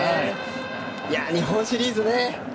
日本シリーズね。